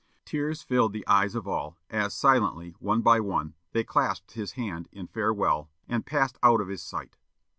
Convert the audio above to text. Tears filled the eyes of all, as, silently, one by one, they clasped his hand in farewell, and passed out of his sight.